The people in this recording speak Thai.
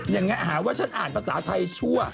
อย่างนั้นหาว่าฉันอ่านภาษาไทยชั่ว